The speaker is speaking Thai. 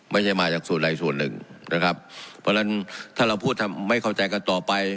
ไม่ใช่มาจากส่วนใดส่วนหนึ่งนะครับเพราะฉะนั้นถ้าเราพูดไม่เข้าใจกันต่อไป